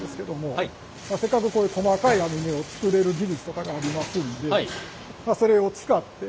せっかくこういう細かい網目を作れる技術とかがありますんでまあそれを使って。